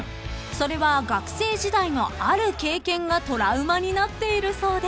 ［それは学生時代のある経験がトラウマになっているそうで］